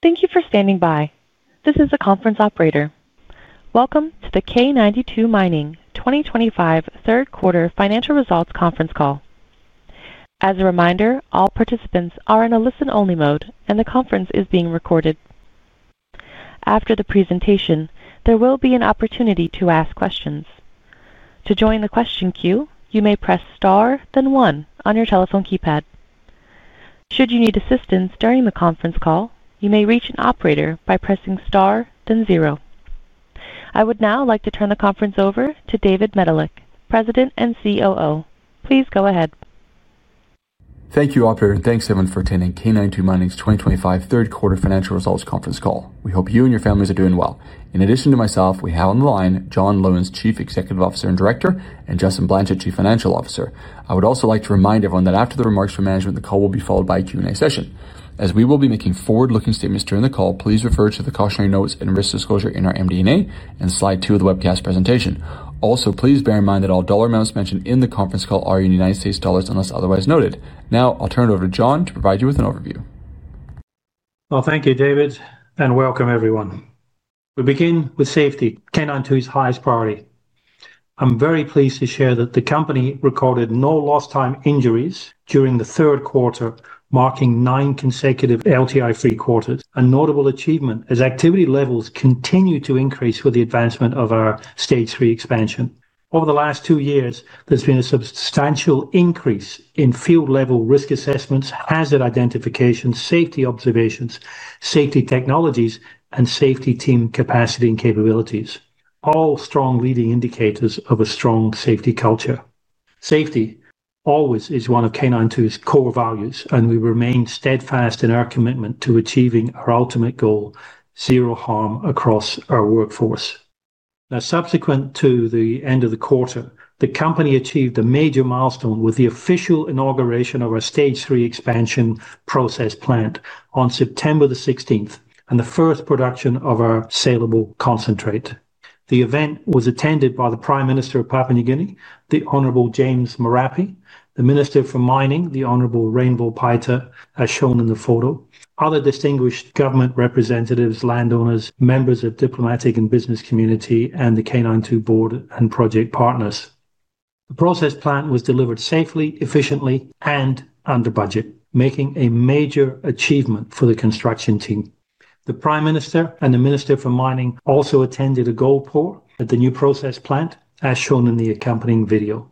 Thank you for standing by. This is the conference operator. Welcome to the K92 Mining 2025 Third Quarter Financial Results Conference Call. As a reminder, all participants are in a listen-only mode, and the conference is being recorded. After the presentation, there will be an opportunity to ask questions. To join the question queue, you may press star, then one, on your telephone keypad. Should you need assistance during the conference call, you may reach an operator by pressing star, then zero. I would now like to turn the conference over to David Medilek, President and COO. Please go ahead. Thank you, operator, and thanks, everyone, for attending K92 Mining's 2025 Third Quarter Financial Results Conference Call. We hope you and your families are doing well. In addition to myself, we have on the line John Lewins, Chief Executive Officer and Director, and Justin Blanchet, Chief Financial Officer. I would also like to remind everyone that after the remarks from management, the call will be followed by a Q&A session. As we will be making forward-looking statements during the call, please refer to the cautionary notes and risk disclosure in our MD&A and slide two of the webcast presentation. Also, please bear in mind that all dollar amounts mentioned in the conference call are in United States dollars unless otherwise noted. Now, I'll turn it over to John to provide you with an overview. Thank you, David, and welcome, everyone. We begin with safety, K92's highest priority. I'm very pleased to share that the company recorded no lost-time injuries during the third quarter, marking nine consecutive LTI-free quarters, a notable achievement as activity levels continue to increase with the Stage 3 expansion. over the last two years, there's been a substantial increase in field-level risk assessments, hazard identification, safety observations, safety technologies, and safety team capacity and capabilities, all strong leading indicators of a strong safety culture. Safety always is one of K92's core values, and we remain steadfast in our commitment to achieving our ultimate goal, zero harm across our workforce. Now, subsequent to the end of the quarter, the company achieved a major milestone with the official Stage 3 expansion process plant on september the 16th and the first production of our saleable concentrate. The event was attended by the Prime Minister of Papua New Guinea, the Honorable James Marape, the Minister for Mining, the Honorable Rainbo Paita, as shown in the photo, other distinguished government representatives, landowners, members of the diplomatic and business community, and the K92 board and project partners. The process plant was delivered safely, efficiently, and under budget, making a major achievement for the construction team. The Prime Minister and the Minister for Mining also attended a gold pour at the new process plant, as shown in the accompanying video.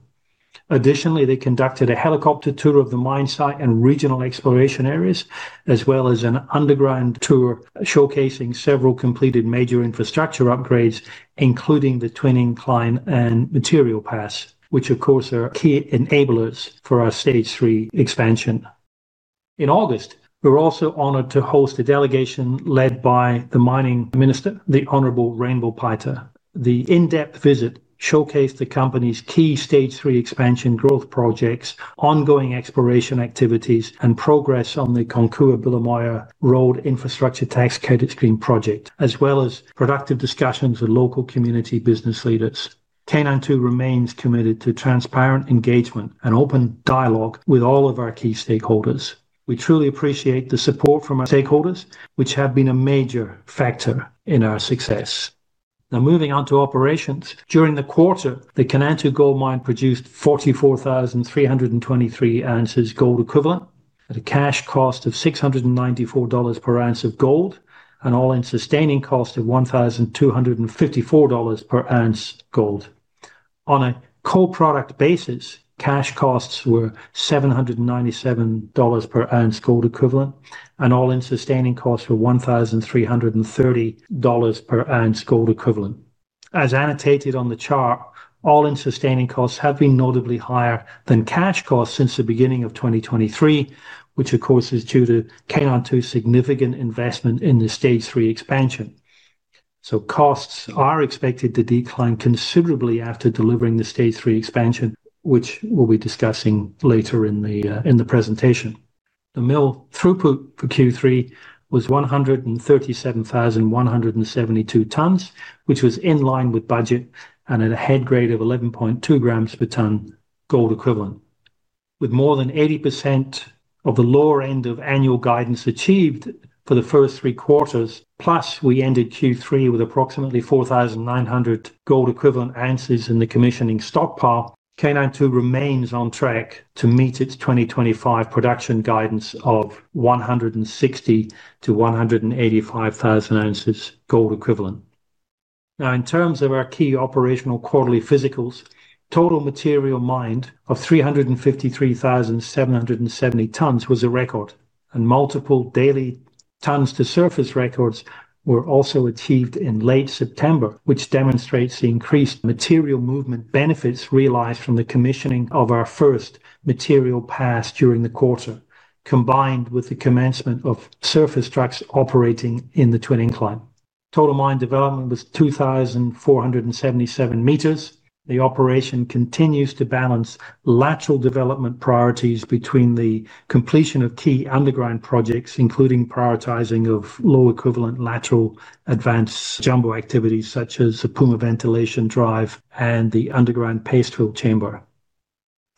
Additionally, they conducted a helicopter tour of the mine site and regional exploration areas, as well as an underground tour showcasing several completed major infrastructure upgrades, including the twinning incline and material pass, which, of course, are key enablers for our Stage 3 expansion. In August, we were also honored to host a delegation led by the Mining Minister, the Honorable Rainbo Paita. The in-depth visit showcased Stage 3 expansion growth projects, ongoing exploration activities, and progress on the Konkua-Bilimoia Road Infrastructure Tax Credit Screen project, as well as productive discussions with local community business leaders. K92 remains committed to transparent engagement and open dialogue with all of our key stakeholders. We truly appreciate the support from our stakeholders, which has been a major factor in our success. Now, moving on to operations, during the quarter, the Kainantu Gold Mine produced 44,323 ounces of gold equivalent at a cash cost of $694 per ounce of gold, an all-in sustaining cost of $1,254 per ounce of gold. On a co-product basis, cash costs were $797 per ounce of gold equivalent, and all-in sustaining costs were $1,330 per ounce of gold equivalent. As annotated on the chart, all-in sustaining costs have been notably higher than cash costs since the beginning of 2023, which, of course, is due to K92's significant Stage 3 expansion. costs are expected to decline considerably Stage 3 expansion, which we'll be discussing later in the presentation. The mill throughput for Q3 was 137,172 tons, which was in line with budget and at a head grade of 11.2 grams per ton gold equivalent. With more than 80% of the lower end of annual guidance achieved for the first three quarters, plus we ended Q3 with approximately 4,900 gold equivalent ounces in the commissioning stockpile, K92 remains on track to meet its 2025 production guidance of 160,000 oz-185,000 oz of gold equivalent. Now, in terms of our key operational quarterly physicals, total material mined of 353,770 tons was a record, and multiple daily tons-to-surface records were also achieved in late September, which demonstrates the increased material movement benefits realized from the commissioning of our first material pass during the quarter, combined with the commencement of surface trucks operating in the twinning incline. Total mine development was 2,477 m. The operation continues to balance lateral development priorities between the completion of key underground projects, including prioritizing of low-equivalent lateral advance jumbo activities such as the Puma Ventilation Drive and the underground paste fill chamber.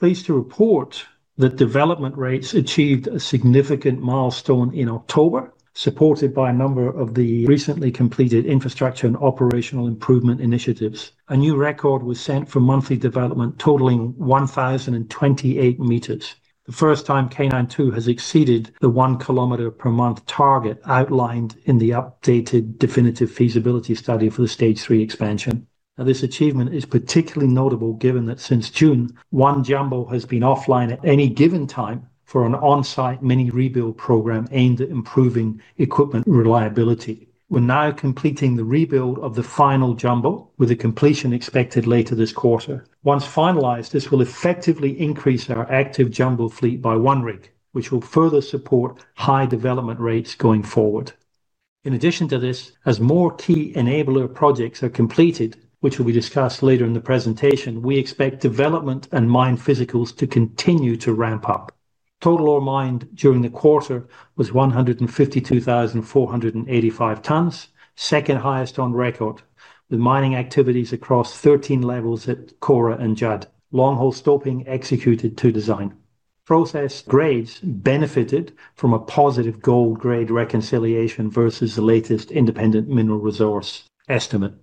Pleased to report that development rates achieved a significant milestone in October, supported by a number of the recently completed infrastructure and operational improvement initiatives. A new record was set for monthly development totaling 1,028 m, the first time K92 has exceeded the 1 km per month target outlined in the updated definitive feasibility Stage 3 expansion. now, this achievement is particularly notable given that since June, one jumbo has been offline at any given time for an on-site mini rebuild program aimed at improving equipment reliability. We're now completing the rebuild of the final jumbo, with the completion expected later this quarter. Once finalized, this will effectively increase our active jumbo fleet by one rig, which will further support high development rates going forward. In addition to this, as more key enabler projects are completed, which will be discussed later in the presentation, we expect development and mine physicals to continue to ramp up. Total ore mined during the quarter was 152,485 tons, second highest on record, with mining activities across 13 levels at Kora and Judd, long-haul stopping executed to design. Process grades benefited from a positive gold grade reconciliation versus the latest independent mineral resource estimate.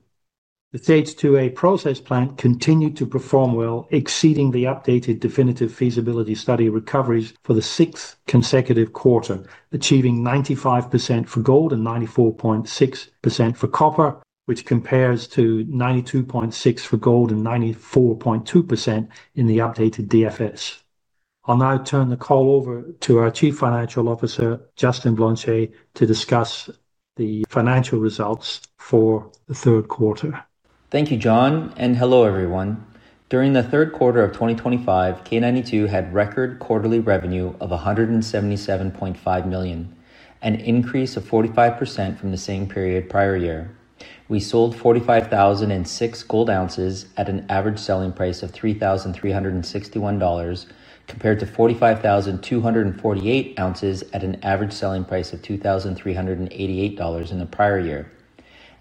the Stage 2A process plant continued to perform well, exceeding the updated definitive feasibility study recoveries for the sixth consecutive quarter, achieving 95% for gold and 94.6% for copper, which compares to 92.6% for gold and 94.2% in the updated DFS. I'll now turn the call over to our Chief Financial Officer, Justin Blanchet, to discuss the financial results for the third quarter. Thank you, John, and hello, everyone. During the third quarter of 2025, K92 had record quarterly revenue of $177.5 million, an increase of 45% from the same period prior year. We sold 45,006 gold ounces at an average selling price of $3,361, compared to 45,248 oz at an average selling price of $2,388 in the prior year.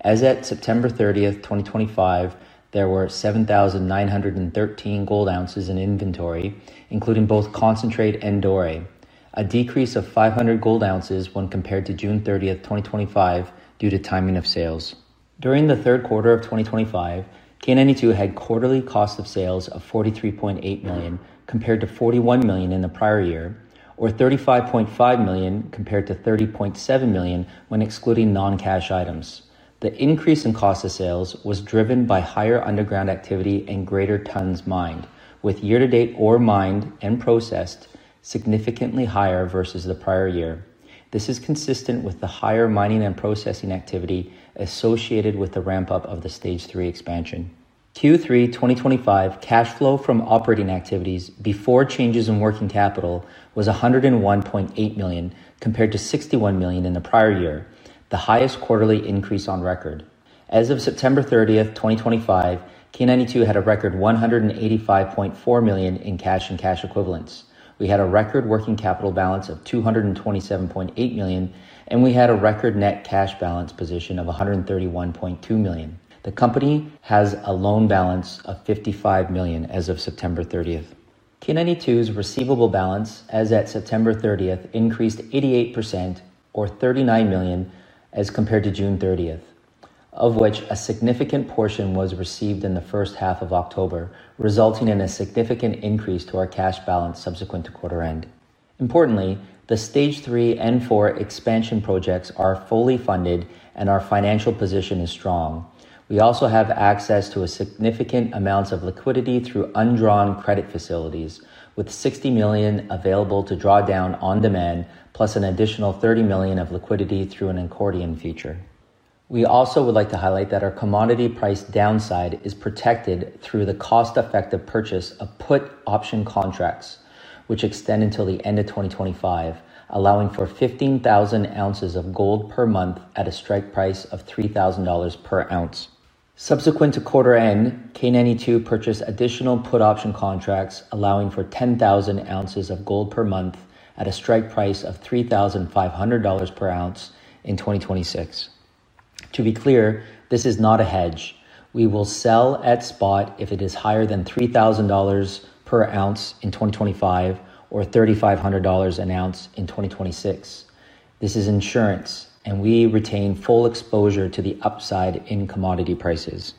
As at September 30th, 2025, there were 7,913 gold ounces in inventory, including both concentrate and doré, a decrease of 500 gold ounces when compared to June 30th, 2025, due to timing of sales. During the third quarter of 2025, K92 had quarterly cost of sales of $43.8 million, compared to $41 million in the prior year, or $35.5 million compared to $30.7 million when excluding non-cash items. The increase in cost of sales was driven by higher underground activity and greater tons mined, with year-to-date ore mined and processed significantly higher versus the prior year. This is consistent with the higher mining and processing activity associated with the Stage 3 expansion. q3 2025 cash flow from operating activities before changes in working capital was $101.8 million, compared to $61 million in the prior year, the highest quarterly increase on record. As of September 30th, 2025, K92 had a record $185.4 million in cash and cash equivalents. We had a record working capital balance of $227.8 million, and we had a record net cash balance position of $131.2 million. The company has a loan balance of $55 million as of September 30th. K92's receivable balance, as at September 30, increased 88%, or $39 million, as compared to June 30, of which a significant portion was received in the first half of October, resulting in a significant increase to our cash balance subsequent to quarter end. Importantly, Stage 3 and 4 expansion projects are fully funded, and our financial position is strong. We also have access to significant amounts of liquidity through undrawn credit facilities, with $60 million available to draw down on demand, plus an additional $30 million of liquidity through an accordion feature. We also would like to highlight that our commodity price downside is protected through the cost-effective purchase of put option contracts, which extend until the end of 2025, allowing for 15,000 oz of gold per month at a strike price of $3,000 per ounce. Subsequent to quarter end, K92 purchased additional put option contracts, allowing for 10,000 ounces of gold per month at a strike price of $3,500 per ounce in 2026. To be clear, this is not a hedge. We will sell at spot if it is higher than $3,000 per ounce in 2025 or $3,500 an ounce in 2026. This is insurance, and we retain full exposure to the upside in commodity prices.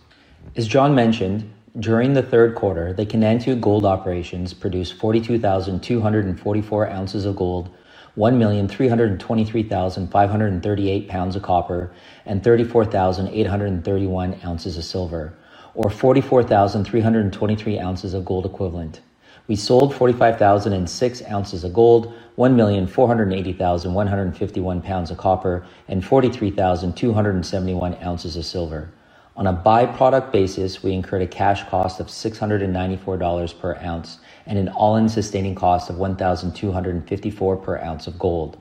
As John mentioned, during the third quarter, the K92 gold operations produced 42,244 ounces of gold, 1,323,538 pounds of copper, and 34,831 ounces of silver, or 44,323 oz of gold equivalent. We sold 45,006 ounces of gold, 1,480,151 pounds of copper, and 43,271 oz of silver. On a byproduct basis, we incurred a cash cost of $694 per ounce and an all-in sustaining cost of $1,254 per ounce of gold.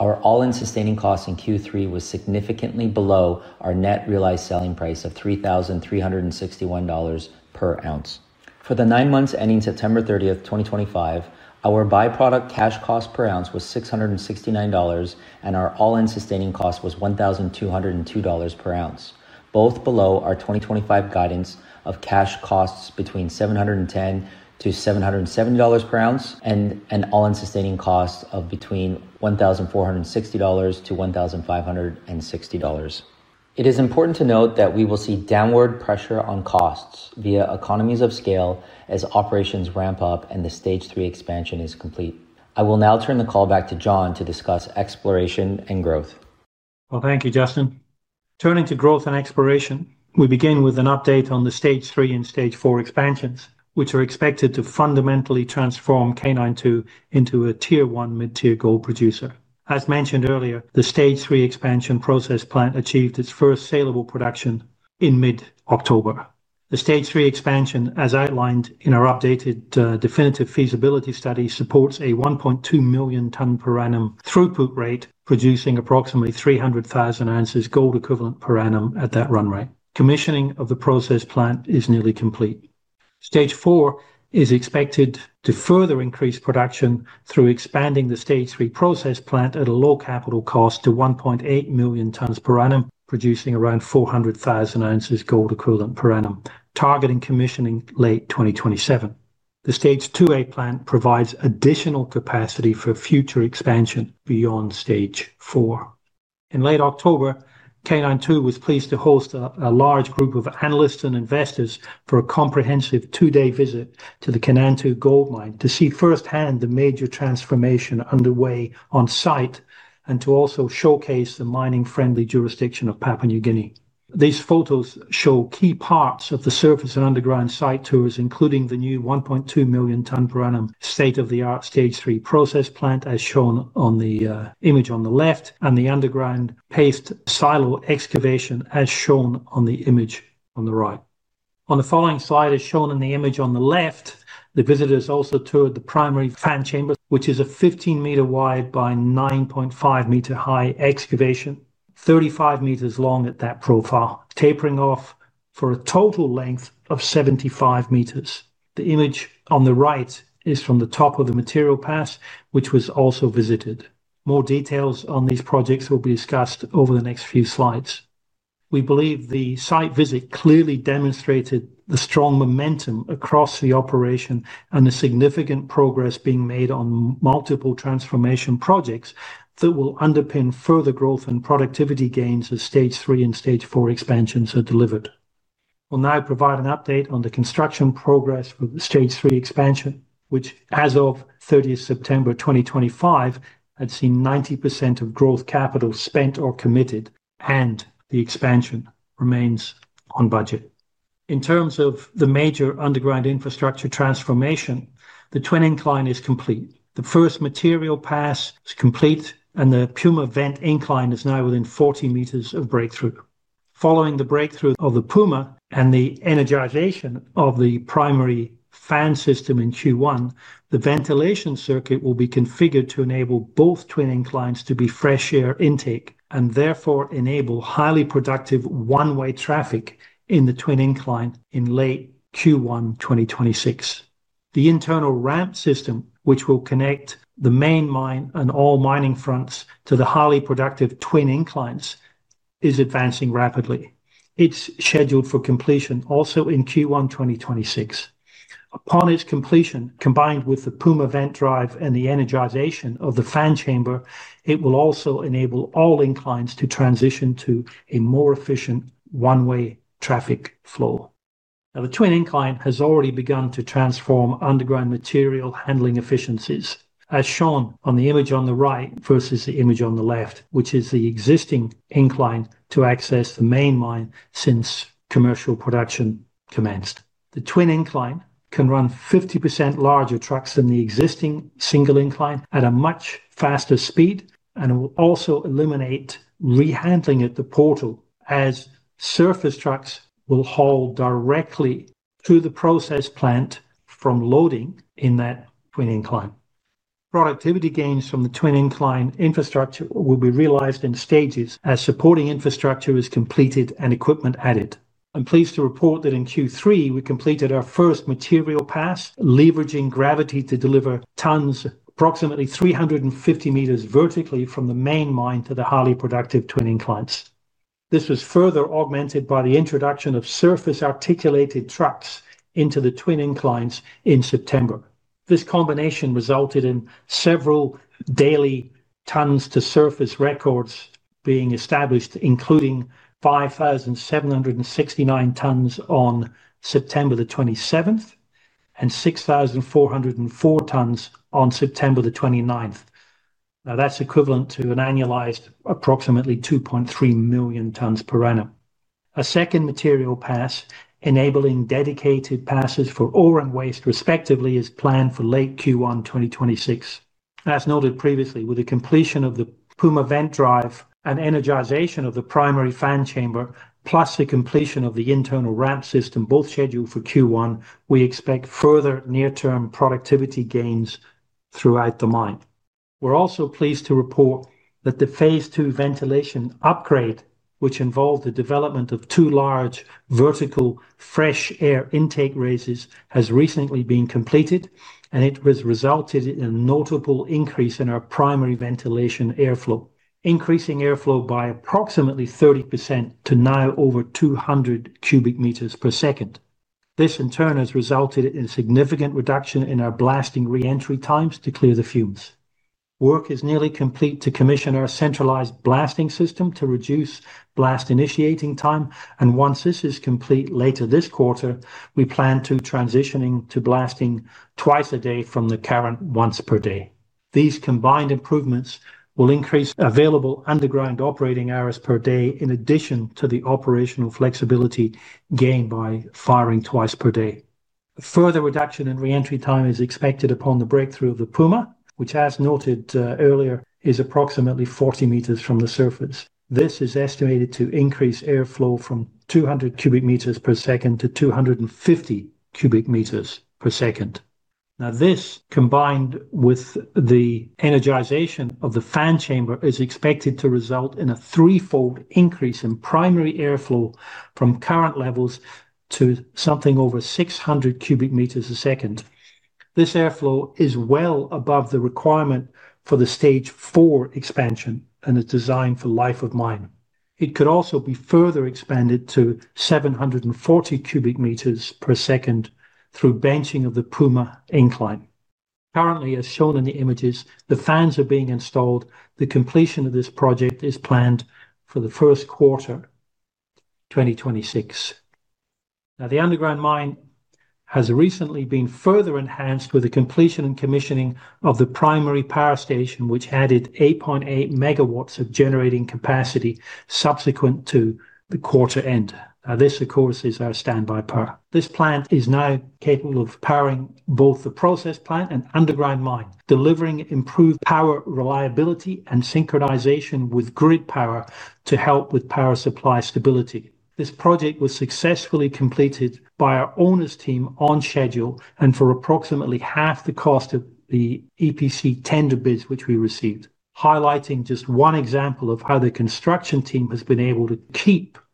Our all-in sustaining cost in Q3 was significantly below our net realized selling price of $3,361 per ounce. For the nine months ending September 30, 2025, our byproduct cash cost per ounce was $669, and our all-in sustaining cost was $1,202 per ounce, both below our 2025 guidance of cash costs between $710-$770 per ounce and an all-in sustaining cost of between $1,460-$1,560. It is important to note that we will see downward pressure on costs via economies of scale as operations ramp Stage 3 expansion is complete. i will now turn the call back to John to discuss exploration and growth. Thank you, Justin. Turning to growth and exploration, we begin with an update on the Stage 4 expansions, which are expected to fundamentally transform K92 into a tier one mid-tier gold producer. As Stage 3 expansion process plant achieved its first saleable production Stage 3 expansion, as outlined in our updated definitive feasibility study, supports a 1.2 million ton per annum throughput rate, producing approximately 300,000 ounces of gold equivalent per annum at that run rate. Commissioning of the process plant is nearly Stage 4 is expected to further increase production through expanding Stage 3 process plant at a low capital cost to 1.8 million tons per annum, producing around 400,000 ounces of gold equivalent per annum, targeting commissioning late 2027. the Stage 2A plant provides additional capacity for future expansion beyond Stage 4. In late October, K92 was pleased to host a large group of analysts and investors for a comprehensive two-day visit to the Kainantu Gold Mine to see firsthand the major transformation underway on site and to also showcase the mining-friendly jurisdiction of Papua New Guinea. These photos show key parts of the surface and underground site tours, including the new 1.2 million ton per annum Stage 3 process plant, as shown on the image on the left, and the underground paste silo excavation, as shown on the image on the right. On the following slide, as shown in the image on the left, the visitors also toured the primary fan chamber, which is a 15 m wide by 9.5 meter high excavation, 35 m long at that profile, tapering off for a total length of 75 m. The image on the right is from the top of the material pass, which was also visited. More details on these projects will be discussed over the next few slides. We believe the site visit clearly demonstrated the strong momentum across the operation and the significant progress being made on multiple transformation projects that will underpin further growth and productivity gains as Stage 4 expansions are delivered. I'll now provide an update on the construction Stage 3 expansion, which, as of 30th September 2025, had seen 90% of growth capital spent or committed, and the expansion remains on budget. In terms of the major underground infrastructure transformation, the twinning incline is complete. The first material pass is complete, and the Puma vent incline is now within 40 meters of breakthrough. Following the breakthrough of the Puma and the energization of the primary fan system in Q1, the ventilation circuit will be configured to enable both twin inclines to be fresh air intake and therefore enable highly productive one-way traffic in the twin incline in late Q1 2026. The internal ramp system, which will connect the main mine and all mining fronts to the highly productive twin inclines, is advancing rapidly. It's scheduled for completion also in Q1 2026. Upon its completion, combined with the Puma vent drive and the energization of the fan chamber, it will also enable all inclines to transition to a more efficient one-way traffic flow. Now, the twin incline has already begun to transform underground material handling efficiencies, as shown on the image on the right versus the image on the left, which is the existing incline to access the main mine since commercial production commenced. The twin incline can run 50% larger trucks than the existing single incline at a much faster speed, and it will also eliminate re-handling at the portal, as surface trucks will haul directly through the process plant from loading in that twin incline. Productivity gains from the twin incline infrastructure will be realized in Stages as supporting infrastructure is completed and equipment added. I'm pleased to report that in Q3, we completed our first material pass, leveraging gravity to deliver tons approximately 350 meters vertically from the main mine to the highly productive twin inclines. This was further augmented by the introduction of surface articulated trucks into the twin inclines in September. This combination resulted in several daily tons-to-surface records being established, including 5,769 tons on September the 27th and 6,404 tons on September the 29th. Now, that's equivalent to an annualized approximately 2.3 million tons per annum. A second material pass, enabling dedicated passes for ore and waste, respectively, is planned for late Q1 2026. As noted previously, with the completion of the Puma vent drive and energization of the primary fan chamber, plus the completion of the internal ramp system, both scheduled for Q1, we expect further near-term productivity gains throughout the mine. We're also pleased to report that the Phase II ventilation upgrade, which involved the development of two large vertical fresh air intake races, has recently been completed, and it has resulted in a notable increase in our primary ventilation airflow, increasing airflow by approximately 30% to now over 200 cubic meters per second. This, in turn, has resulted in a significant reduction in our blasting re-entry times to clear the fumes. Work is nearly complete to commission our centralized blasting system to reduce blast initiating time, and once this is complete later this quarter, we plan to transition to blasting twice a day from the current once per day. These combined improvements will increase available underground operating hours per day in addition to the operational flexibility gained by firing twice per day. Further reduction in re-entry time is expected upon the breakthrough of the Puma, which, as noted earlier, is approximately 40 meters from the surface. This is estimated to increase airflow from 200 cubic meters per second to 250 cubic meters per second. Now, this combined with the energization of the fan chamber is expected to result in a threefold increase in primary airflow from current levels to something over 600 cubic meters a second. This airflow is well above the requirement Stage 4 expansion and is designed for life of mine. It could also be further expanded to 740 cubic meters per second through benching of the Puma incline. Currently, as shown in the images, the fans are being installed. The completion of this project is planned for the first quarter of 2026. Now, the underground mine has recently been further enhanced with the completion and commissioning of the primary power station, which added 8.8 megawatts of generating capacity subsequent to the quarter end. Now, this, of course, is our standby power. This plant is now capable of powering both the process plant and underground mine, delivering improved power reliability and synchronization with grid power to help with power supply stability. This project was successfully completed by our owners' team on schedule and for approximately half the cost of the EPC tender bids, which we received, highlighting just one example of how the construction team has been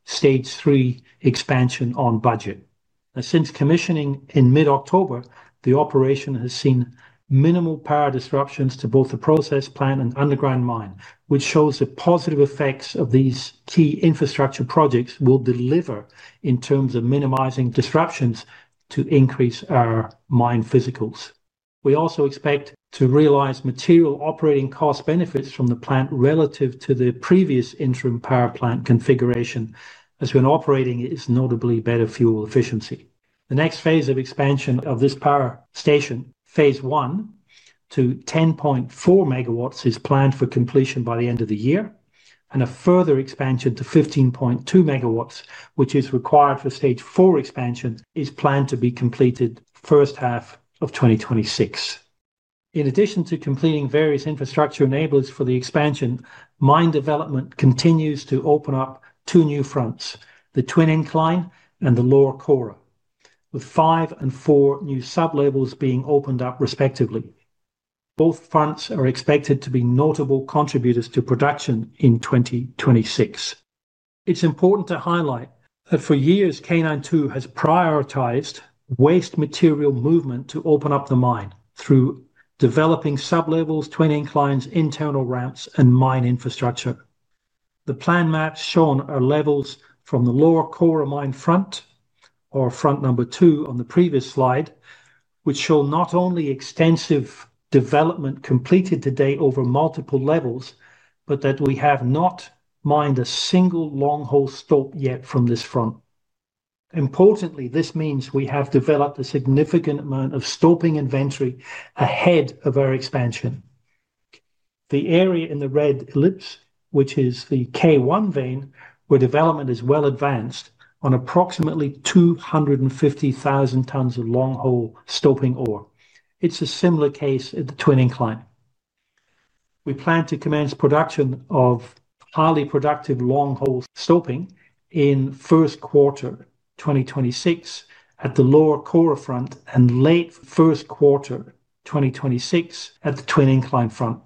Stage 3 expansion on budget. now, since commissioning in mid-October, the operation has seen minimal power disruptions to both the process plant and underground mine, which shows the positive effects of these key infrastructure projects we will deliver in terms of minimizing disruptions to increase our mine physicals. We also expect to realize material operating cost benefits from the plant relative to the previous interim power plant configuration, as when operating is notably better fuel efficiency. The next phase of expansion of this power station, phase I to 10.4 MW, is planned for completion by the end of the year, and a further expansion to 15.2 MW, which is Stage 4 expansion, is planned to be completed first half of 2026. In addition to completing various infrastructure enablers for the expansion, mine development continues to open up two new fronts, the twin incline and the lower Kora, with five and four new sublevels being opened up respectively. Both fronts are expected to be notable contributors to production in 2026. It's important to highlight that for years, K92 has prioritized waste material movement to open up the mine through developing sublevels, twin inclines, internal ramps, and mine infrastructure. The plan maps shown are levels from the lower Kora mine front, or front number two on the previous slide, which show not only extensive development completed to date over multiple levels, but that we have not mined a single long hole stope yet from this front. Importantly, this means we have developed a significant amount of stope inventory ahead of our expansion. The area in the red ellipse, which is the K1 vein, where development is well advanced on approximately 250,000 tons of long hole stope ore. It's a similar case at the twin incline. We plan to commence production of highly productive long hole stoping in first quarter 2026 at the lower Kora front and late first quarter 2026 at the twin incline front,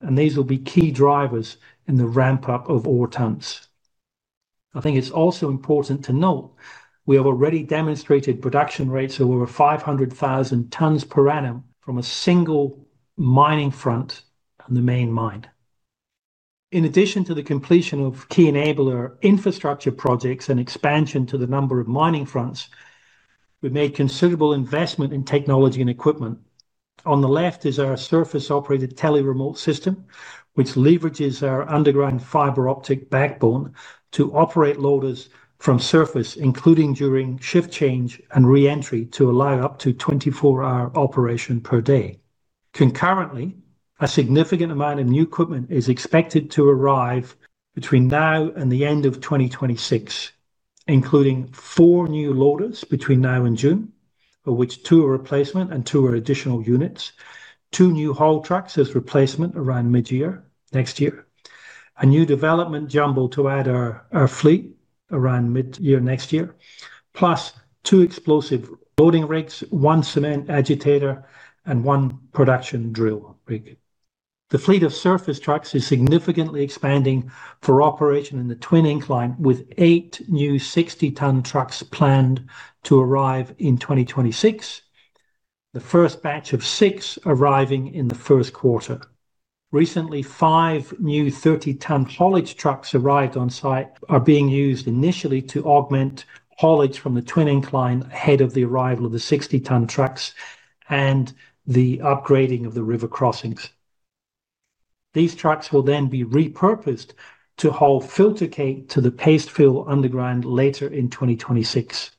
and these will be key drivers in the ramp up of ore tons. I think it's also important to note we have already demonstrated production rates of over 500,000 tons per annum from a single mining front on the main mine. In addition to the completion of key enabler infrastructure projects and expansion to the number of mining fronts, we made considerable investment in technology and equipment. On the left is our surface-operated tele-remote system, which leverages our underground fiber optic backbone to operate loaders from surface, including during shift change and re-entry, to allow up to 24-hour operation per day. Concurrently, a significant amount of new equipment is expected to arrive between now and the end of 2026, including four new loaders between now and June, of which two are replacement and two are additional units, two new haul trucks as replacement around mid-year next year, a new development jumbo to add to our fleet around mid-year next year, plus two explosive loading rigs, one cement agitator, and one production drill rig. The fleet of surface trucks is significantly expanding for operation in the twin incline, with eight new 60-ton trucks planned to arrive in 2026, the first batch of six arriving in the first quarter. Recently, five new 30-ton haulage trucks arrived on site and are being used initially to augment haulage from the twin incline ahead of the arrival of the 60-ton trucks and the upgrading of the river crossings. These trucks will then be repurposed to haul filtercake to the paste fill underground later in 2026.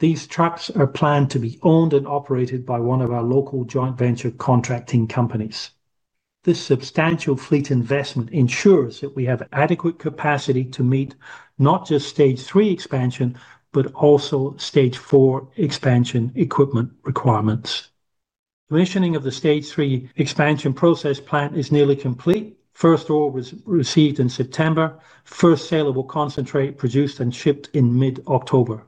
These trucks are planned to be owned and operated by one of our local joint venture contracting companies. This substantial fleet investment ensures that we have adequate capacity Stage 3 expansion process plant is nearly complete. First orders received in September, first sale of a concentrate produced and shipped in mid-October.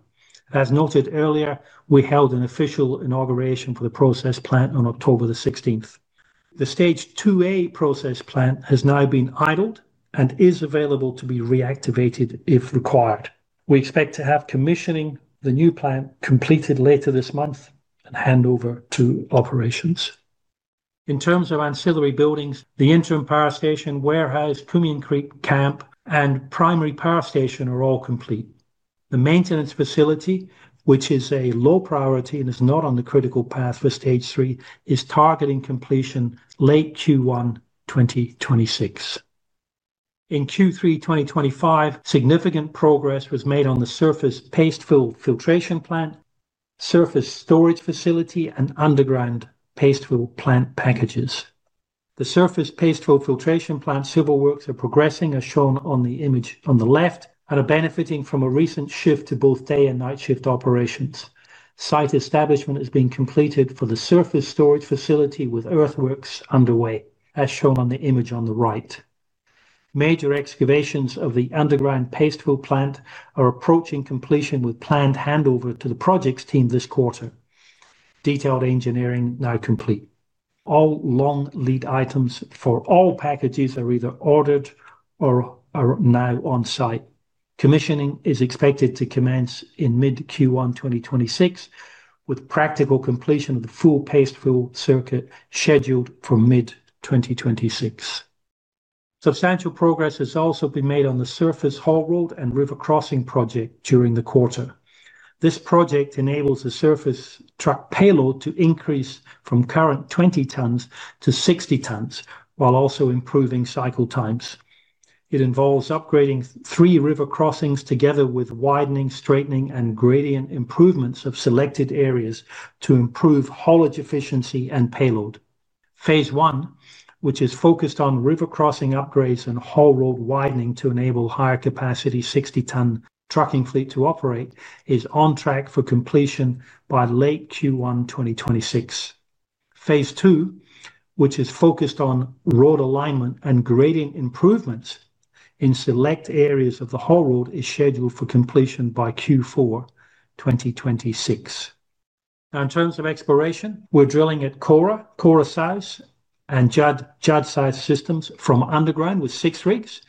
As noted earlier, we held an official inauguration for the process plant on October the 16th. The Stage 2A process plant has now been idled and is available to be reactivated if required. We expect to have commissioning the new plant completed later this month and handover to operations. In terms of ancillary buildings, the interim power station, warehouse, Cummins Creek camp, and primary power station are all complete. The maintenance facility, which is a low priority and is not on the critical path Stage 3, is targeting completion late Q1 2026. In Q3 2025, significant progress was made on the surface paste fill filtration plant, surface storage facility, and underground paste fill plant packages. The surface paste fill filtration plant civil works are progressing, as shown on the image on the left, and are benefiting from a recent shift to both day and night shift operations. Site establishment has been completed for the surface storage facility with earthworks underway, as shown on the image on the right. Major excavations of the underground paste fill plant are approaching completion with planned handover to the project's team this quarter. Detailed engineering now complete. All long lead items for all packages are either ordered or are now on site. Commissioning is expected to commence in mid-Q1 2026, with practical completion of the full paste fill circuit scheduled for mid-2026. Substantial progress has also been made on the surface haul road and river crossing project during the quarter. This project enables the surface truck payload to increase from current 20 tons to 60 tons, while also improving cycle times. It involves upgrading three river crossings together with widening, straightening, and gradient improvements of selected areas to improve haulage efficiency and payload. Phase I, which is focused on river crossing upgrades and haul road widening to enable higher capacity 60-ton trucking fleet to operate, is on track for completion by late Q1 2026. Phase II, which is focused on road alignment and gradient improvements in select areas of the haul road, is scheduled for completion by Q4 2026. Now, in terms of exploration, we're drilling at Kora, Kora South, and Judd vein systems from underground with six rigs.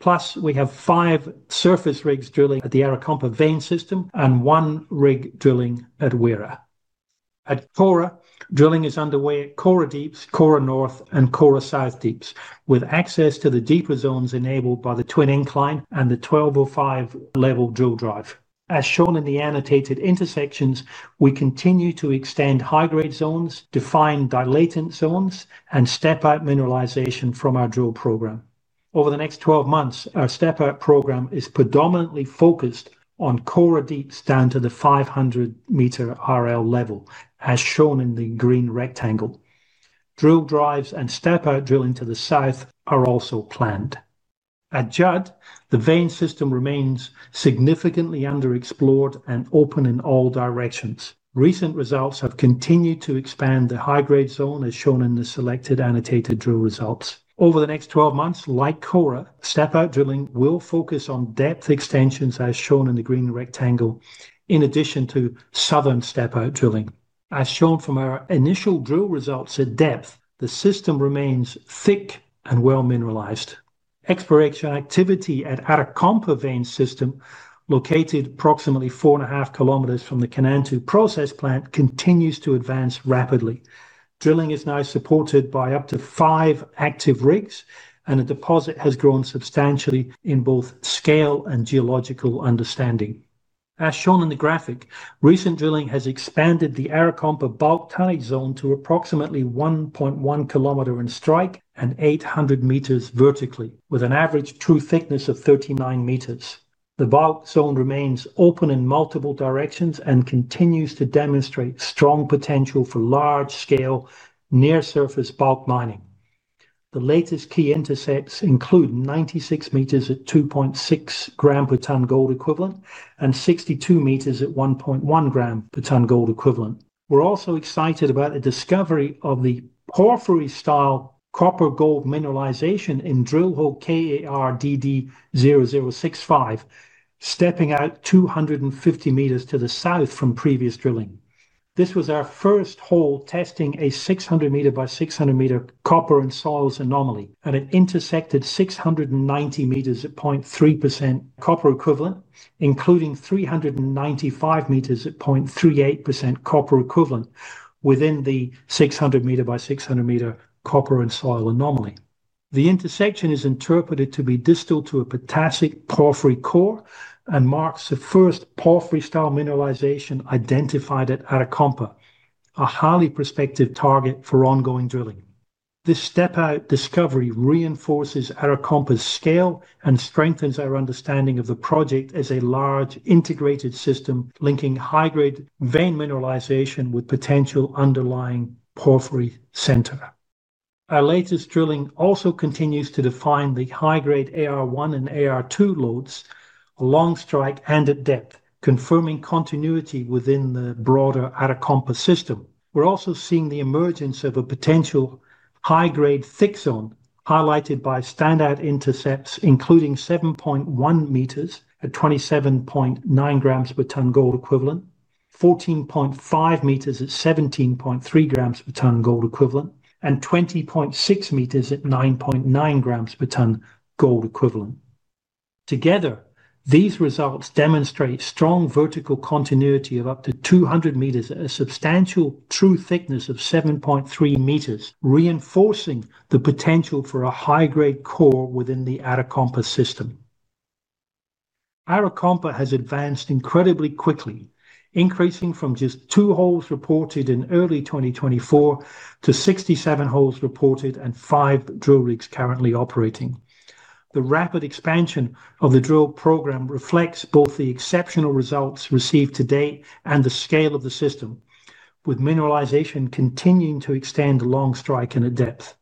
Plus, we have five surface rigs drilling at the Arakompa vein system and one rig drilling at Wera. At Kora, drilling is underway at Kora Deeps, Kora North, and Kora South Deeps, with access to the deeper zones enabled by the twin incline and the 1205 level drill drive. As shown in the annotated intersections, we continue to extend high-grade zones, define dilatant zones, and step-out mineralization from our drill program. Over the next 12 months, our step-out program is predominantly focused on Kora Deeps down to the 500-meter RL level, as shown in the green rectangle. Drill drives and step-out drilling to the south are also planned. At Judd, the vein system remains significantly underexplored and open in all directions. Recent results have continued to expand the high-grade zone, as shown in the selected annotated drill results. Over the next 12 months, like Kora, step-out drilling will focus on depth extensions, as shown in the green rectangle, in addition to southern step-out drilling. As shown from our initial drill results at depth, the system remains thick and well mineralized. Exploration activity at Arakompa vein system, located approximately 4.5 km from the K92 process plant, continues to advance rapidly. Drilling is now supported by up to five active rigs, and the deposit has grown substantially in both scale and geological understanding. As shown in the graphic, recent drilling has expanded the Arakompa bulk tunneling zone to approximately 1.1 kilometers in strike and 800 meters vertically, with an average true thickness of 39 m. The bulk zone remains open in multiple directions and continues to demonstrate strong potential for large-scale near-surface bulk mining. The latest key intercepts include 96 m at 2.6 g/t gold equivalent and 62 meters at 1.1 g/t gold equivalent. We're also excited about the discovery of the porphyry-style copper-gold mineralization in drill hole KARDD0065, stepping out 250 m to the south from previous drilling. This was our first hole testing a 600 m by 600 m copper and soils anomaly, and it intersected 690 m at 0.3% copper equivalent, including 395 m at 0.38% copper equivalent within the 600 m by 600 m copper and soil anomaly. The intersection is interpreted to be distal to a potassic porphyry core and marks the first porphyry-style mineralization identified at Arakompa, a highly prospective target for ongoing drilling. This step-out discovery reinforces Arakompa's scale and strengthens our understanding of the project as a large integrated system linking high-grade vein mineralization with potential underlying porphyry center. Our latest drilling also continues to define the high-grade AR1 and AR2 lodes along strike and at depth, confirming continuity within the broader Arakompa system. We're also seeing the emergence of a potential high-grade thick zone highlighted by standout intercepts, including 7.1 meters at 27.9 grams per ton gold equivalent, 14.5 m at 17.3 g per ton gold equivalent, and 20.6 meters at 9.9 grams per ton gold equivalent. Together, these results demonstrate strong vertical continuity of up to 200 meters at a substantial true thickness of 7.3 meters, reinforcing the potential for a high-grade core within the Arakompa system. Arakompa has advanced incredibly quickly, increasing from just two holes reported in early 2024 to 67 holes reported and five drill rigs currently operating. The rapid expansion of the drill program reflects both the exceptional results received to date and the scale of the system, with mineralization continuing to extend along strike and at depth.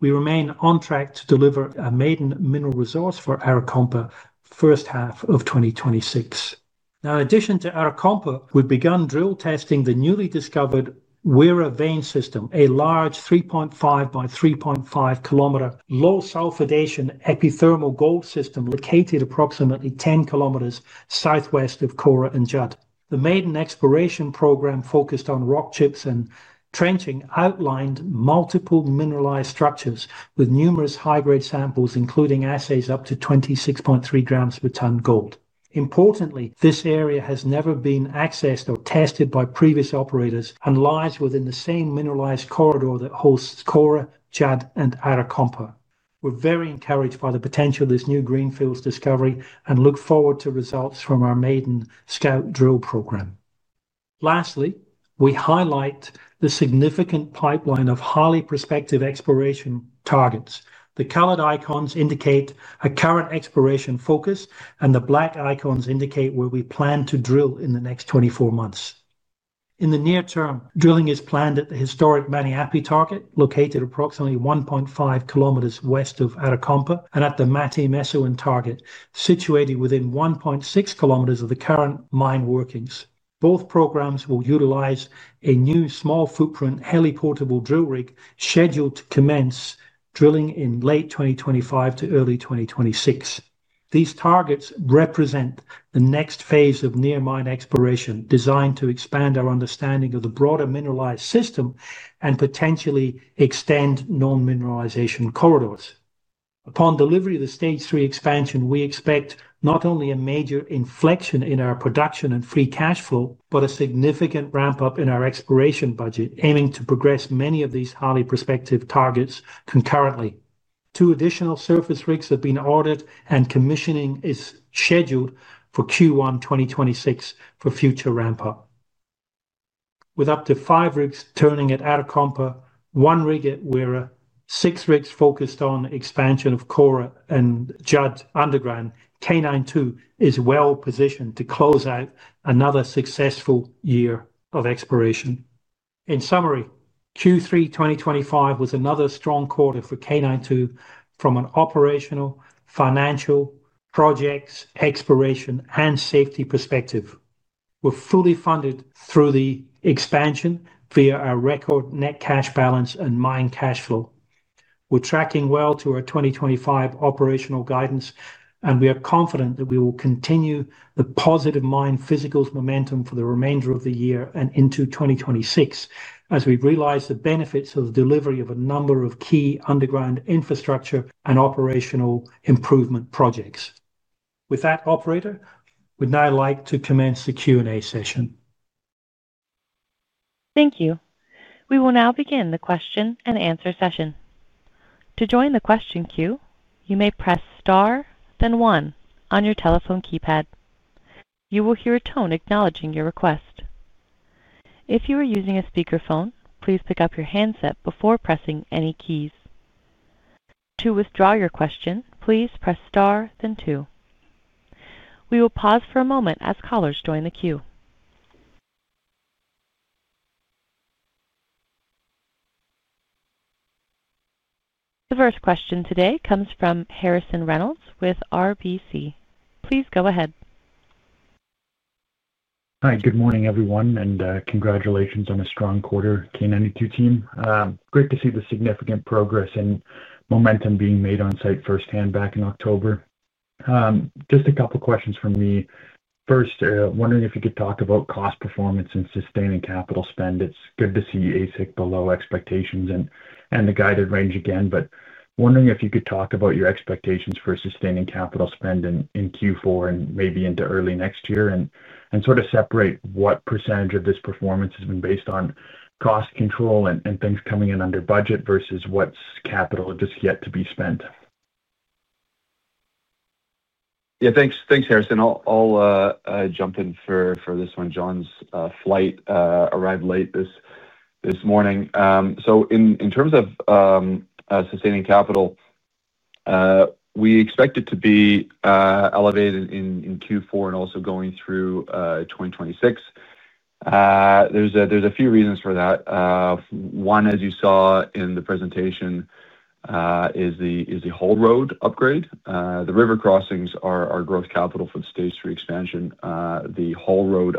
We remain on track to deliver a maiden mineral resource for Arakompa first half of 2026. Now, in addition to Arakompa, we've begun drill testing the newly discovered Wera vein system, a large 3.5 by 3.5 km low sulfidation epithermal gold system located approximately 10 km southwest of Kora and Judd. The maiden exploration program focused on rock chips and trenching outlined multiple mineralized structures with numerous high-grade samples, including assays up to 26.3 grams per ton gold. Importantly, this area has never been accessed or tested by previous operators and lies within the same mineralized corridor that hosts Kora, Judd, and Arakompa. We're very encouraged by the potential of this new greenfield discovery and look forward to results from our maiden scout drill program. Lastly, we highlight the significant pipeline of highly prospective exploration targets. The colored icons indicate a current exploration focus, and the black icons indicate where we plan to drill in the next 24 months. In the near term, drilling is planned at the historic Maniape target, located approximately 1.5 kilometers west of Arakompa, and at the Matim Essoan target, situated within 1.6 kilometers of the current mine workings. Both programs will utilize a new small footprint heliportable drill rig scheduled to commence drilling in late 2025 to early 2026. These targets represent the next phase of near-mine exploration designed to expand our understanding of the broader mineralized system and potentially extend non-mineralization corridors. Upon Stage 3 expansion, we expect not only a major inflection in our production and free cash flow, but a significant ramp-up in our exploration budget, aiming to progress many of these highly prospective targets concurrently. Two additional surface rigs have been ordered, and commissioning is scheduled for Q1 2026 for future ramp-up. With up to five rigs turning at Arakompa, one rig at Wera, six rigs focused on expansion of Kora and Judd underground, K92 is well positioned to close out another successful year of exploration. In summary, Q3 2025 was another strong quarter for K92 from an operational, financial, projects, exploration, and safety perspective. We're fully funded through the expansion via our record net cash balance and mine cash flow. We're tracking well to our 2025 operational guidance, and we are confident that we will continue the positive mine physicals momentum for the remainder of the year and into 2026, as we realize the benefits of the delivery of a number of key underground infrastructure and operational improvement projects. With that, operator, we'd now like to commence the Q&A session. Thank you. We will now begin the question and answer session. To join the question queue, you may press star, then one on your telephone keypad. You will hear a tone acknowledging your request. If you are using a speakerphone, please pick up your handset before pressing any keys. To withdraw your question, please press star, then two. We will pause for a moment as callers join the queue. The first question today comes from Harrison Reynolds with RBC. Please go ahead. Hi, good morning, everyone, and congratulations on a strong quarter, K92 team. Great to see the significant progress and momentum being made. Website firsthand back in October. Just a couple of questions for me. First, wondering if you could talk about cost performance and sustaining capital spend. It's good to see AISC below expectations and the guided range again, but wondering if you could talk about your expectations for sustaining capital spend in Q4 and maybe into early next year and sort of separate what percentage of this performance has been based on cost control and things coming in under budget versus what's capital just yet to be spent. Yeah, thanks, Harrison. I'll jump in for this one. John's flight arrived late this morning. In terms of sustaining capital, we expect it to be elevated in Q4 and also going through 2026. There's a few reasons for that. One, as you saw in the presentation, is the haul road upgrade. The river crossings are growth Stage 3 expansion. the haul road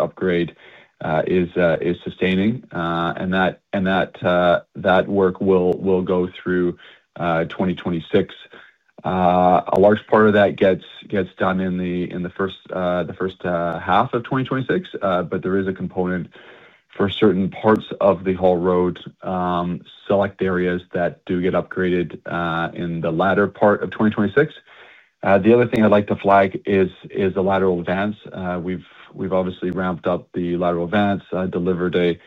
upgrade is sustaining, and that work will go through 2026. A large part of that gets done in the first half of 2026, but there is a component for certain parts of the haul road, select areas that do get upgraded in the latter part of 2026. The other thing I'd like to flag is the lateral vents. We've obviously ramped up the lateral vents, delivered a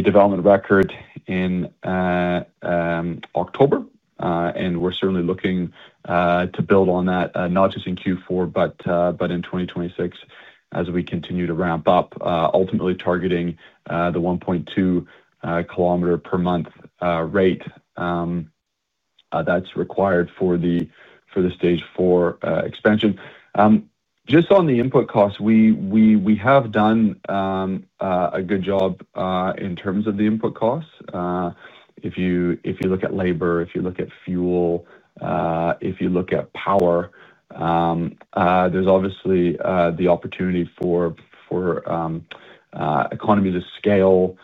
development record in October, and we're certainly looking to build on that, not just in Q4, but in 2026 as we continue to ramp up, ultimately targeting the 1.2 km per month rate that's required Stage 4 expansion. just on the input costs, we have done a good job in terms of the input costs. If you look at labor, if you look at fuel, if you look at power, there's obviously the opportunity for economy to scale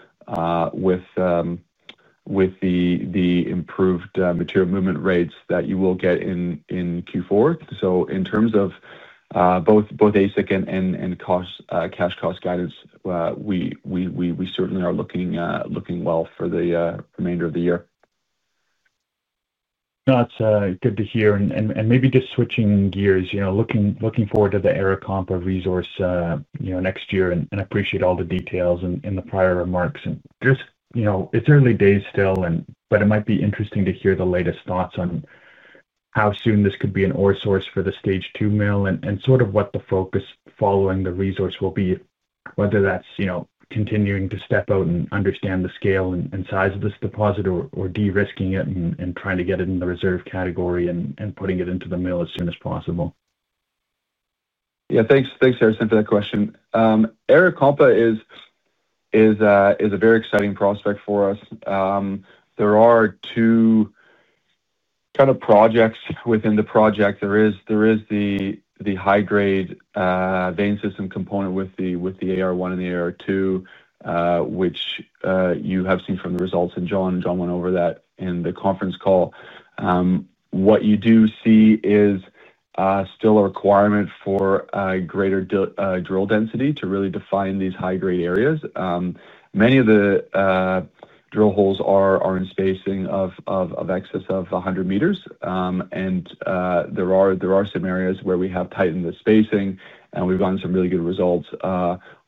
with the improved material movement rates that you will get in Q4. In terms of both AISC and cash cost guidance, we certainly are looking well for the remainder of the year. That's good to hear. Maybe just switching gears, looking forward to the Arakompa resource next year and appreciate all the details in the prior remarks. It's early days still, but it might be interesting to hear the latest thoughts on how soon this could be an ore source for the Stage two mill and sort of what the focus following the resource will be, whether that's continuing to step out and understand the scale and size of this deposit or de-risking it and trying to get it in the reserve category and putting it into the mill as soon as possible. Yeah, thanks, Harrison, for that question. Arakompa is a very exciting prospect for us. There are two kind of projects within the project. There is the high-grade vein system component with the AR1 and the AR2, which you have seen from the results, and John went over that in the conference call. What you do see is still a requirement for greater drill density to really define these high-grade areas. Many of the drill holes are in spacing of excess of 100 m, and there are some areas where we have tightened the spacing, and we've gotten some really good results.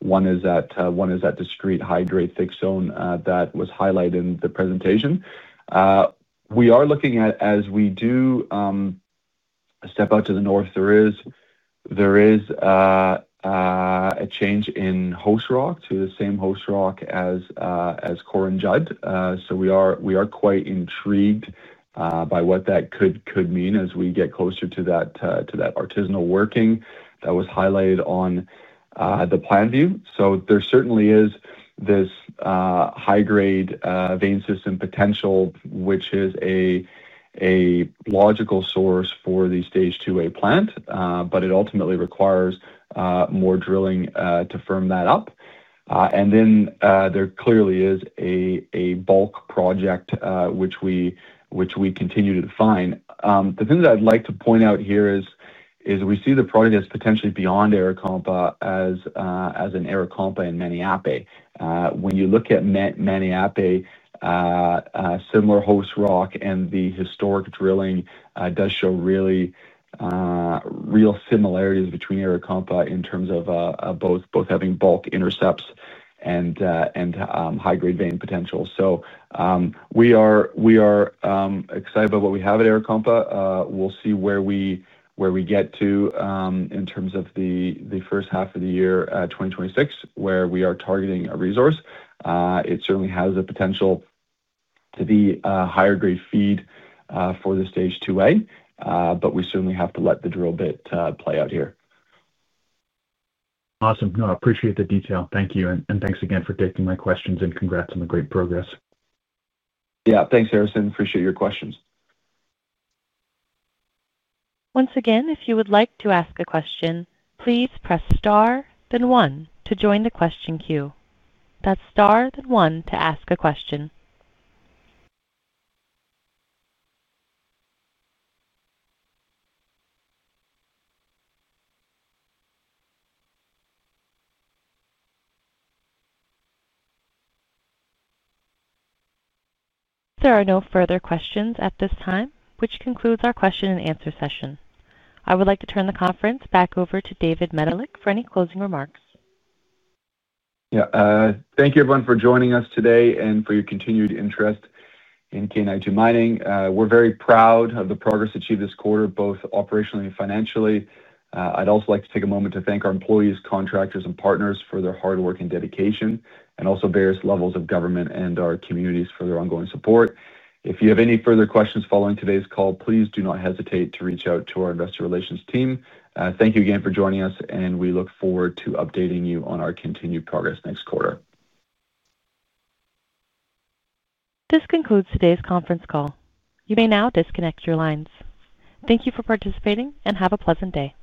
One is that discrete high-grade thick zone that was highlighted in the presentation. We are looking at, as we do step out to the north, there is a change in host rock to the same host rock as Kora and Judd. We are quite intrigued by what that could mean as we get closer to that artisanal working that was highlighted on the plan view. There certainly is this high-grade vein system potential, which is a logical source for the Stage 2A plant, but it ultimately requires more drilling to firm that up. There clearly is a bulk project which we continue to define. The thing that I'd like to point out here is we see the project as potentially beyond Arakompa as in Arakompa and Maniape. When you look at Maniape, similar host rock and the historic drilling does show really real similarities between Arakompa in terms of both having bulk intercepts and high-grade vein potential. We are excited about what we have at Arakompa. We'll see where we get to in terms of the first half of the year 2026, where we are targeting a resource. It certainly has the potential to be a higher-grade feed for the Stage 2A, but we certainly have to let the drill bit play out here. Awesome. No, I appreciate the detail. Thank you. And thanks again for taking my questions and congrats on the great progress. Yeah, thanks, Harrison. Appreciate your questions. Once again, if you would like to ask a question, please press star, then one to join the question queue. That's star, then one to ask a question. There are no further questions at this time, which concludes our question and answer session. I would like to turn the conference back over to David Medilek for any closing remarks. Yeah, thank you everyone for joining us today and for your continued interest in K92 Mining. We're very proud of the progress achieved this quarter, both operationally and financially. I'd also like to take a moment to thank our employees, contractors, and partners for their hard work and dedication, and also various levels of government and our communities for their ongoing support. If you have any further questions following today's call, please do not hesitate to reach out to our investor relations team. Thank you again for joining us, and we look forward to updating you on our continued progress next quarter. This concludes today's conference call. You may now disconnect your lines. Thank you for participating and have a pleasant day.